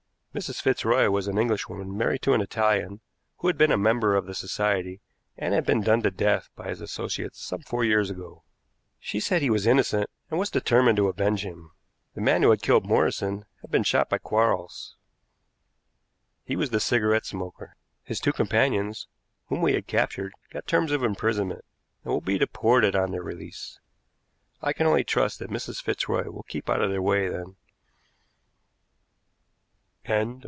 Mrs. Fitzroy was an Englishwoman married to an Italian, who had been a member of the society and had been done to death by his associates some four years ago. She said he was innocent and was determined to avenge him. The man who had killed Morrison had been shot by Quarles. He was the cigarette smoker. His two companions whom we had captured got terms of imprisonment, and will be deported on their release. I can only trust that Mrs. Fitzroy will keep out of their way then.